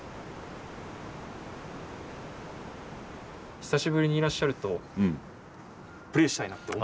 久しぶりにいらっしゃるとプレーしたいなとは。